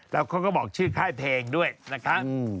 แล้วเขาก็บอกชื่อค่ายเพลงด้วยนะคะ